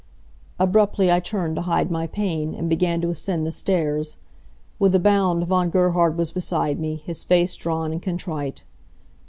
Abruptly I turned to hide my pain, and began to ascend the stairs. With a bound Von Gerhard was beside me, his face drawn and contrite.